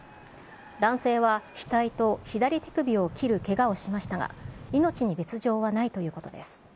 男性はひたいと左手首を切るけがをしましたが、命に別状はないということです。